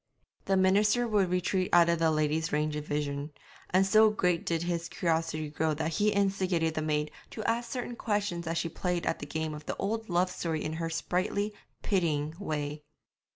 The minister would retreat out of the lady's range of vision; and so great did his curiosity grow that he instigated the maid to ask certain questions as she played at the game of the old love story in her sprightly, pitying way.